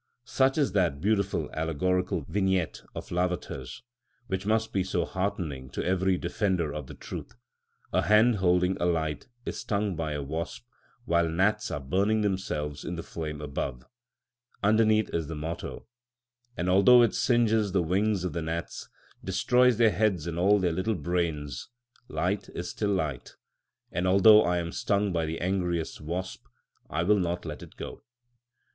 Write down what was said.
Such is that beautiful allegorical vignette of Lavater's, which must be so heartening to every defender of truth: a hand holding a light is stung by a wasp, while gnats are burning themselves in the flame above; underneath is the motto: "And although it singes the wings of the gnats, Destroys their heads and all their little brains, Light is still light; And although I am stung by the angriest wasp, I will not let it go."